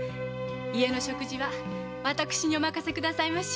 家の食事は私にお任せくださいまし。